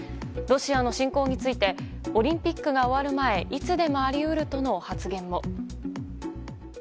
ロシアの侵攻についてオリンピックが終わる前いつでもあり得るとの発言も。